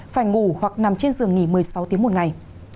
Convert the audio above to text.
phải ngủ hoặc nằm trên giường nghỉ một mươi sáu tiếng một ngày